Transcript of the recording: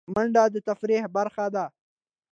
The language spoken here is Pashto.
منډه د تفریح برخه ده